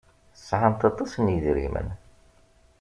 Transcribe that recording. Sɛant aṭas n yedrimen.